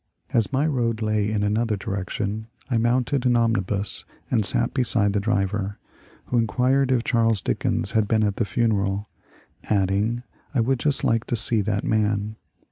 As my road lay in another direction, I mounted an omnibus and sat beside the driver, who inquired if Charles Dickens had been at the funeral, adding, ^^ I would just like to see that man."